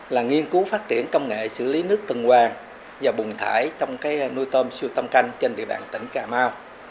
là nghiên cứu phát triển công nghệ xử lý nước tương quan và bùng thải trong nuôi tôm siêu thăm canh trên địa bàn tỉnh cà mau